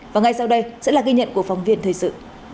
và ngay sau đây sẽ là ghi nhận của phóng viên thời sự